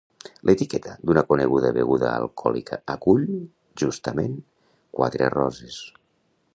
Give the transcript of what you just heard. L'etiqueta d'una coneguda beguda alcohòlica acull, justament, quatre roses.